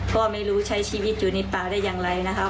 ก็ไม่รู้ใช้ชีวิตอยู่ในป่าได้อย่างไรนะคะ